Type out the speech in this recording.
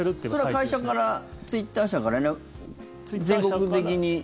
それは会社からツイッター社が連絡全国的に。